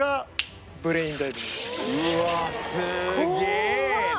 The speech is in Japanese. うわーすげえな！